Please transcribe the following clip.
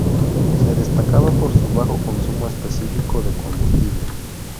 Se destacaba por su bajo consumo específico de combustible.